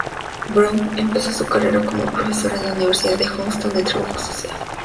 Brown empezó su carrera como profesora en la Universidad de Houston de Trabajo Social.